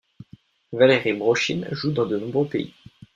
Valeri Broshine joue dans de nombreux pays.